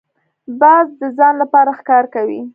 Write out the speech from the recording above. باز د ځان لپاره ښکار کوي